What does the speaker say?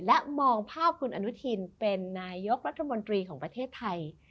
และมองภาพคุณอนุทินเป็นนายกรัฐมนตรีของประเทศไทย